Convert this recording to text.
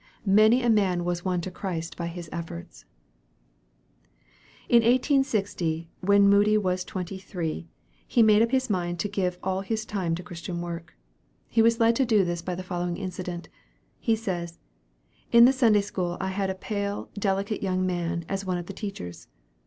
Many a man was won to Christ by his efforts." In 1860, when Moody was twenty three, he made up his mind to give all his time to Christian work. He was led to this by the following incident. He says, "In the Sunday school I had a pale, delicate young man as one of the teachers.